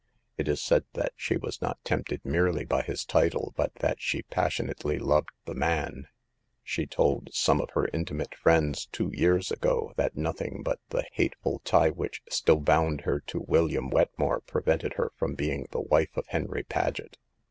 It is said that she was not tempted merely by his title, but that she passionately loved the man. She told SOME TEMPTATIONS OF CITY LIFE. 183 some of her intimate friends two years ago that nothing but the hateful tie which still bound her to William Wetmore prevented her from being then the wife of Henry Paget.